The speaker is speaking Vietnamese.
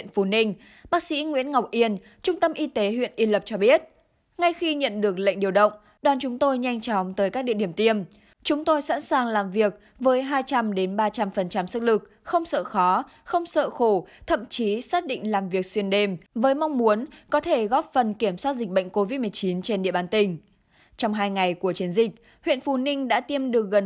trong hai ngày của chiến dịch huyện phù ninh đã tiêm được gần hai mươi tám liều vaccine